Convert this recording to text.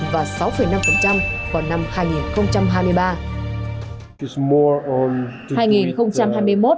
và sáu năm vào năm hai nghìn hai mươi ba